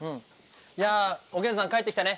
いやおげんさん帰ってきたね。